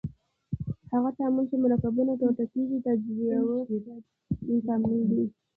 هغه تعامل چې مرکبونه ټوټه کیږي تجزیوي تعامل دی.